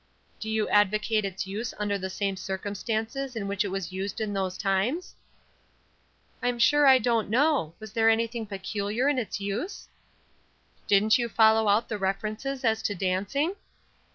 "Do you advocate its use under the same circumstances in which it was used in those times?" "I'm sure I don't know. Was there anything peculiar in its use?" "Didn't you follow out the references as to dancing?"